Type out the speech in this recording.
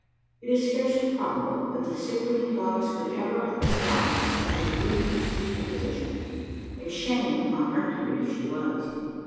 It is scarcely probable that the Cyprian goddess could ever have been brought into such a ludicrous juxtaposition a shame upon Mercury if she was!